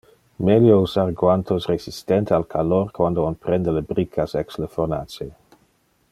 Melio usar guantos resistente al calor quando on prende le briccas ex le fornace.